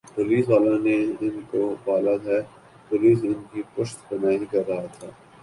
police والوں نے ان کو پالا ھے پولیس ان کی پشت پناہی کررہا تھا